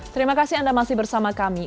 terima kasih anda masih bersama kami